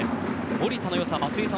守田の良さは松井さん